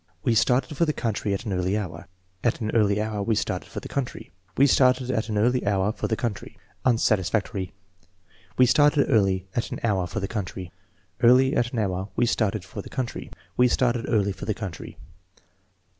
"We started for the country at an early hour." "At an early hour we started for the country." "We started at an early hour for the country. Unsatisfactory. "We started early at an hour for the country." "Early at an hour we started for the country." "We started early for the country."